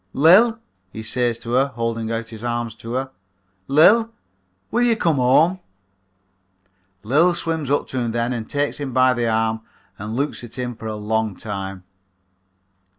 "'Lil,' he says to her, holding out his arms to her, 'Lil, will you come home?' "Lil swims up to him then and takes him by the arm and looks at him for a long time.